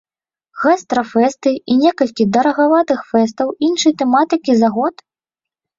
Гастрафэсты і некалькі дарагаватых фэстаў іншай тэматыкі за год?